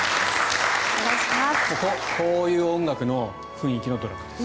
こういう音楽の雰囲気のドラマです。